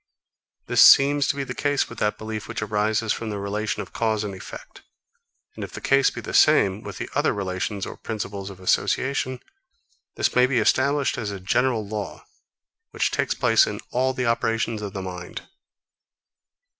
This seems to be the case with that belief which arises from the relation of cause and effect. And if the case be the same with the other relations or principles of associations, this may be established as a general law, which takes place in all the operations of the mind.